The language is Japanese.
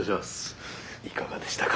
いかがでしたか？